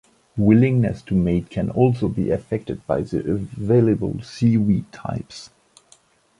Willingness to mate can also be affected by the available seaweed types.